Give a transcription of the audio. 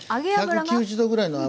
１９０℃ぐらいの油。